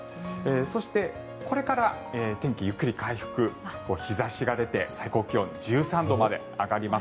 そして、これから天気ゆっくり回復日差しが出て、最高気温は１３度まで上がります。